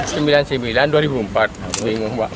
kemarin pak sorry